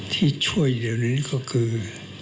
ที่ช่วยเดี๋ยวนี้ก็คือ